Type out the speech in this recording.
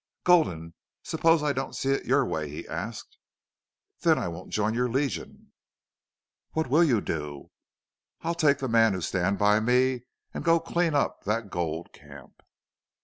"Gulden, suppose I don't see it your way?" he asked. "Then I won't join your Legion." "What WILL you do?" "I'll take the men who stand by me and go clean up that gold camp."